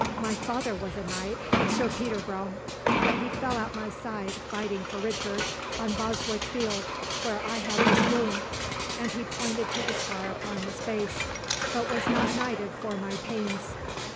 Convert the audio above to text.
My father was a knight, Sir Peter Brome, but he fell at my side, fighting for Richard, on Bosworth Field, where I had this wound," and he pointed to the scar upon his face, "but was not knighted for my pains."